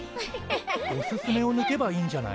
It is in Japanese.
「おすすめ」をぬけばいいんじゃない？